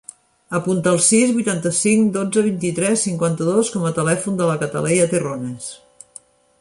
Apunta el sis, vuitanta-cinc, dotze, vint-i-tres, cinquanta-dos com a telèfon de la Cataleya Terrones.